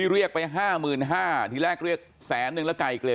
เรียกไป๕๕๐๐บาททีแรกเรียกแสนนึงแล้วไกลเกลีย